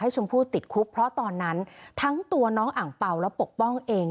ชมพู่ติดคุกเพราะตอนนั้นทั้งตัวน้องอ่างเป่าและปกป้องเอง